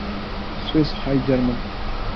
Swiss high German